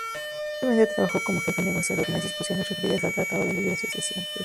Posteriormente trabajó como jefe negociador en las discusiones referidas al tratado de libre asociación.